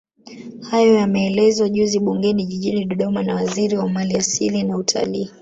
Hayo yameelezwa juzi bungeni Jijini Dodoma na Waziri wa Maliasili na Utalii